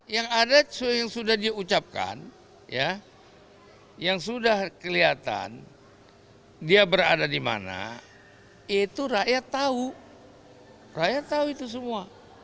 yang ada yang sudah diucapkan yang sudah kelihatan dia berada di mana itu rakyat tahu rakyat tahu itu semua